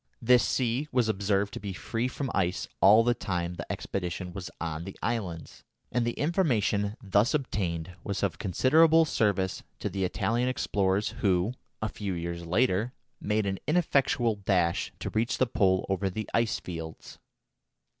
This sea was observed to be free from ice all the time the expedition was on the islands, and the information thus obtained was of considerable service to the Italian explorers who, a few years later, made an ineffectual dash to reach the Pole over the ice fields.